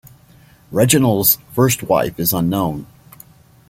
Reginald's first wife is unknown.